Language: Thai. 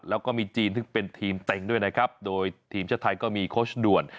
แล้วก็มีจีนซึ่งเป็นทีมเต็งด้วยนะครับโดยทีมชาติไทยก็มีโค้ชด่วน